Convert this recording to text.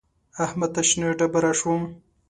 احمد ته شنه ډبره شوم.